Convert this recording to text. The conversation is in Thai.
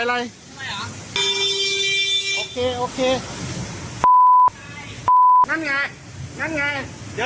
เดี๋ยวเองเจอ